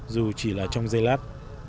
dù chỉ là trong dây lát